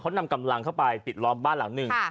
เขานำกำลังเข้าไปปิดล้อมบ้านหลังหนึ่ง